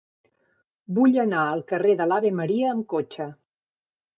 Vull anar al carrer de l'Ave Maria amb cotxe.